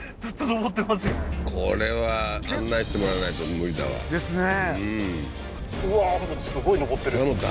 これは案内してもらわないと無理だわですね